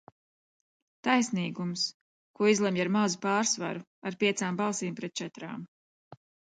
Taisnīgums, ko izlemj ar mazu pārsvaru ar piecām balsīm pret četrām.